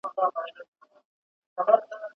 ستا د ياد لمحه لمحه ځان ته لمبې کړم